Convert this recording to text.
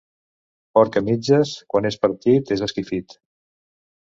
Porc a mitges, quan és partit, és esquifit.